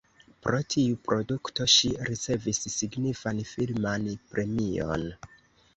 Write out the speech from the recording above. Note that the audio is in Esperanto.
Pro tiu produkto ŝi ricevis signifan filman premion.